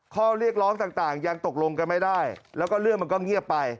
ข้อเรียกร้องต่างยังตกลงกันไม่ได้แล้วก็เรื่องมันก็เงียบไป